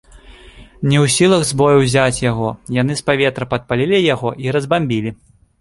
Не ў сілах з бою ўзяць яго, яны з паветра падпалілі яго і разбамбілі.